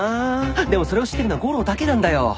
でもそれを知ってるのは悟郎だけなんだよ。